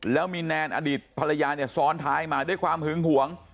แล้วมีแนนอดีตภรรยาเนี่ยซ้อนท้ายมาด้วยความหึงหวง